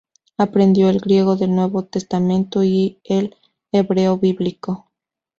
Aprendió el griego del Nuevo Testamento y el hebreo bíblico.